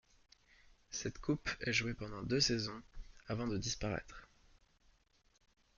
Cette coupe est jouée pendant deux saisons avant de disparaître.